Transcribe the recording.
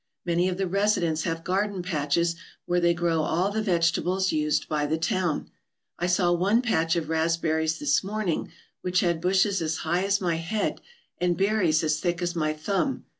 Many of the residents have garden patches where they grow all the vegetables used by the town. I saw one patch of raspberries this morning whith had bushes as high as my head and berries as thick as my thumb.